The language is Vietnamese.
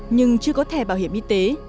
nhưng chưa có thẻ bảo hiểm y tế